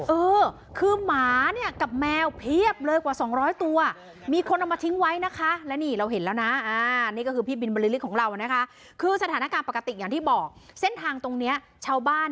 อือคือหมากับแมวเพียบเลยกว่า๒๐๐ตัว